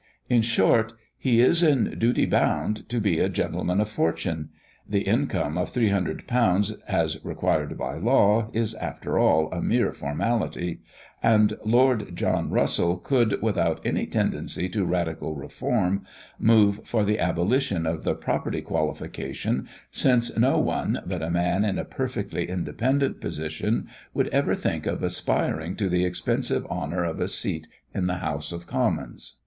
In short, he must is in duty bound to be a gentleman of fortune. The income of £300, as required by law, is, after all, a mere formality; and Lord John Russell could, without any tendency to radical reform, move for the abolition of the property qualification, since no one, but a man in a perfectly independent position, would ever think of aspiring to the expensive honour of a seat in the House of Commons.